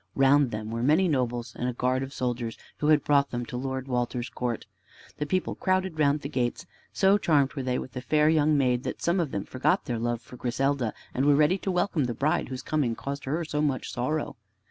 Round them were many nobles, and a guard of soldiers, who had brought them to Lord Walter's court. The people crowded round the gates. So charmed were they with the fair young maid, that some of them forgot their love for Griselda, and were ready to welcome the bride whose coming caused her so much sorrow.